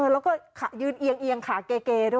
แล้วก็ยืนเอียงขาเก๋ด้วย